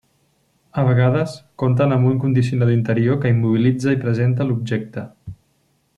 A vegades, compten amb un condicionador interior que immobilitza i presenta l'objecte.